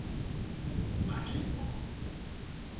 Matipó